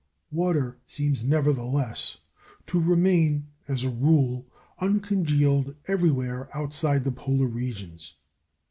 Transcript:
Water seems, nevertheless, to remain, as a rule, uncongealed everywhere outside the polar regions.